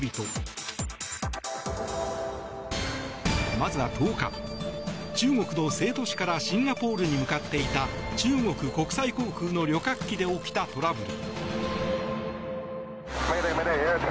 まずは１０日中国の成都市からシンガポールに向かっていた中国国際航空の旅客機で起きたトラブル。